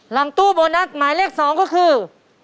หลังตู้โบนัสหมายเลข๒ก็คือ